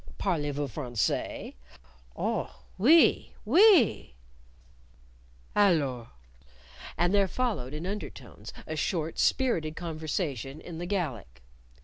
"Parlez vous Francais?" "Oh, oui! Oui!" "Allors." And there followed, in undertones, a short, spirited conversation in the Gallic.